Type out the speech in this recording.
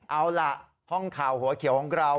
เอาล่ะห้องข่าวหัวเขียวของเรา